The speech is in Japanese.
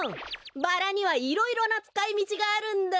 バラにはいろいろなつかいみちがあるんだ。